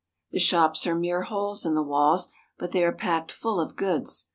The shops are mere holes in the walls, but they are packed full of goods.